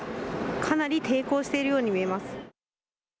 かなり抵抗しているように見えます。